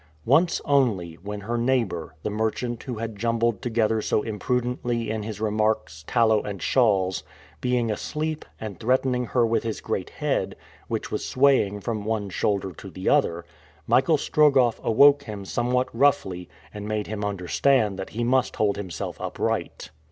Once only, when her neighbor the merchant who had jumbled together so imprudently in his remarks tallow and shawls being asleep, and threatening her with his great head, which was swaying from one shoulder to the other, Michael Strogoff awoke him somewhat roughly, and made him understand that he must hold himself upright.